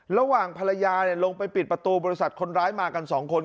ระหว่างภรรยาลงไปปิดประตูบริษัทคนร้ายมากัน๒คน